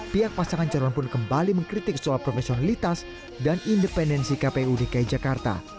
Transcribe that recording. pihak pasangan calon pun kembali mengkritik soal profesionalitas dan independensi kpu dki jakarta